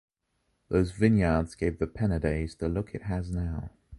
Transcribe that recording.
Those vineyards gave the Penedès the look it has now.